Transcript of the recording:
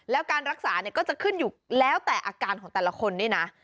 แล้วการรักษาเนี่ยก็จะขึ้นอยู่แล้วแต่อาการของแต่ละคนด้วยนะ